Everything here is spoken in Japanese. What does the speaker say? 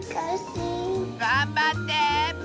がんばって！